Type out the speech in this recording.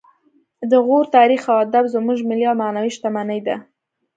د غور تاریخ او ادب زموږ ملي او معنوي شتمني ده